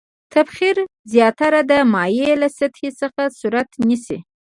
تبخیر زیاتره د مایع له سطحې څخه صورت نیسي.